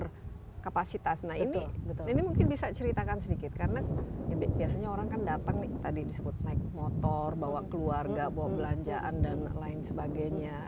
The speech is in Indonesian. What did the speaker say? nah kapasitas nah ini mungkin bisa ceritakan sedikit karena biasanya orang kan datang tadi disebut naik motor bawa keluarga bawa belanjaan dan lain sebagainya